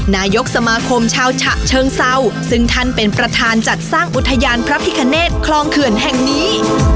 นายกสมาคมชาวฉะเชิงเซาซึ่งท่านเป็นประธานจัดสร้างอุทยานพระพิคเนตคลองเขื่อนแห่งนี้